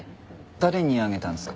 誰にあげたんですか？